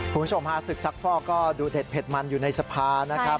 คุณผู้ชมฮะศึกซักฟอกก็ดูเด็ดเผ็ดมันอยู่ในสภานะครับ